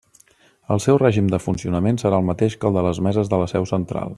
El seu règim de funcionament serà el mateix que el de les meses de la seu central.